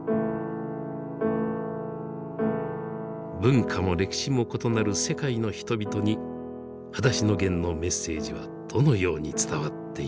文化も歴史も異なる世界の人々に「はだしのゲン」のメッセージはどのように伝わっているのか。